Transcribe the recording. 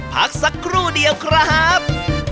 พักสักครู่เดียวครับ